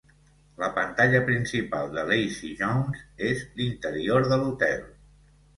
La pantalla principal de "Lazy Jones" és l'interior de l'hotel.